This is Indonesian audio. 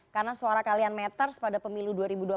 karena suara kalian matters pada pemilu dua ribu dua puluh empat